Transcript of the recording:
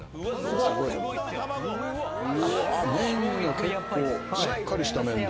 麺が結構しっかりした麺で。